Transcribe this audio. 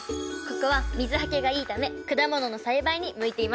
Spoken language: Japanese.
ここは水はけがいいため果物の栽培に向いています。